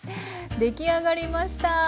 出来上がりました！